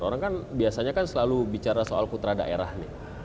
orang kan biasanya kan selalu bicara soal putra daerah nih